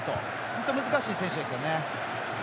本当に難しい選手ですよね。